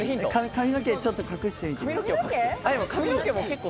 髪の毛ちょっと隠してみて。